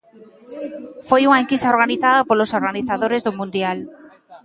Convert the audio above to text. Foi unha enquisa organizada polos organizadores do mundial.